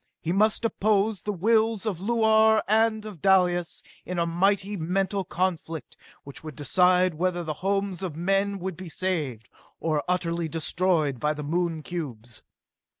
He must oppose the wills of Luar and of Dalis in a mighty mental conflict, which would decide whether the homes of men would be saved, or utterly destroyed by the Moon cubes.